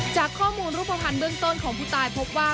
จากข้อมูลรูปภัณฑ์เบื้องต้นของผู้ตายพบว่า